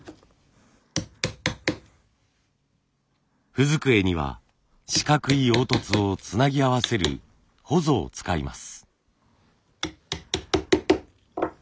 文机には四角い凹凸をつなぎ合わせるほぞを使います。